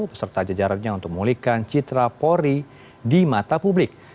beserta jajarannya untuk mengulikan citra pori di mata publik